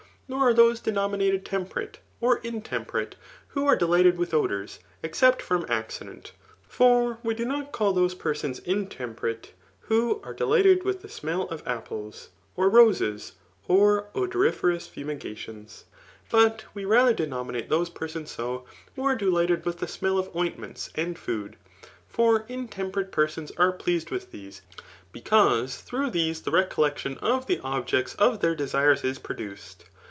Nor are those denominated temperate or intemperate, who are delighted with odours, except from accident. For we do not call those persons intem perate, who are delighted with the smell of apples, or roses, or odoriferous fumigations ; but we rather deno minate those persons so, who are delighted with the smell of ointments and food ; for intemperate persons are [leased with thesfe, because through these the recoUectiou of the objects of their desires is produced.